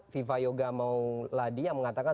viva yoga mauladi yang mengatakan